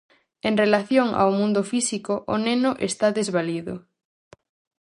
En relación ao mundo físico, o neno está desvalido.